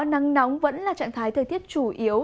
nắng nóng vẫn là trạng thái thời tiết chủ yếu